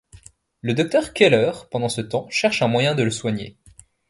Le Dr Keller, pendant ce temps, cherche un moyen de le soigner.